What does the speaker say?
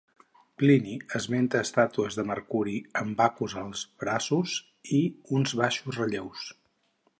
Plini esmenta estàtues de Mercuri amb Baccus als braços, i uns baixos relleus.